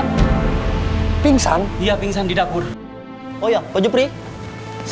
kita baru bisa bawacommerce